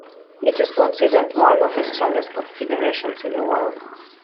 It is considered one of the strongest confederations in the world.